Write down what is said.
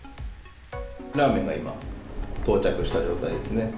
ラーメンが今、到着した状態ですね。